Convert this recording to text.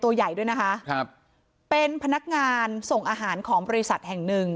ตัวใหญ่ด้วยนะคะครับเป็นพนักงานส่งอาหารของบริษัทแห่งหนึ่ง